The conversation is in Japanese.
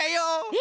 え！